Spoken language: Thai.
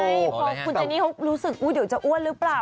พอคุณเจนี่รู้สึกอ้วนจะอ้วนหรือเปล่า